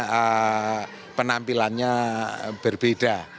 cuman penampilannya berbeda